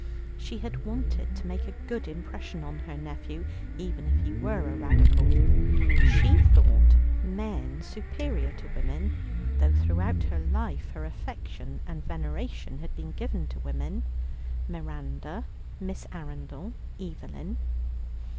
She had wanted to make a good impression on her nephew, even if he were a Radical. She thought men superior to women, though throughout her life her affection and veneration had been given to women Miranda, Miss Arundel, Evelyn.